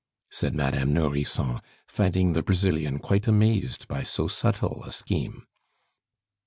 said Madame Nourrisson, finding the Brazilian quite amazed by so subtle a scheme.